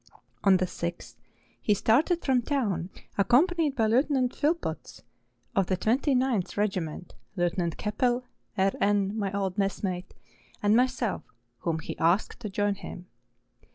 On the 6th he started from town, accompanied by Lieut. Philpotts of the 29th regi¬ ment, Lieut. Keppel, E.N. (my old messmate), and myself, whom he asked to join him.